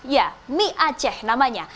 ya mie aceh namanya